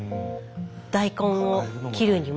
大根を切るにも。